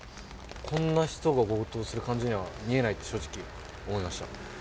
こんな人が強盗する感じには見えないって、正直思いました。